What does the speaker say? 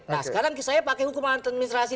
nah sekarang saya pakai hukum administrasi